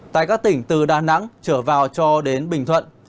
tại các tỉnh từ đà nẵng trở vào cho đến bình thuận